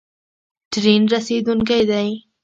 ټرین رسیدونکی دی